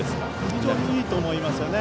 非常にいいと思いますね。